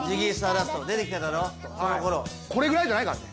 これぐらいじゃないからね。